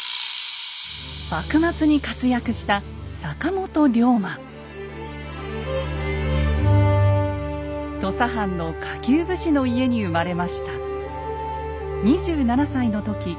幕末に活躍した土佐藩の下級武士の家に生まれました。